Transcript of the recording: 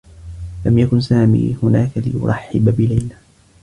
لم يكن سامي هناك ليرحّب بليلى.